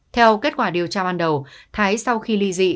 theo kết quả điều tra ban đầu thái sau khi ly dị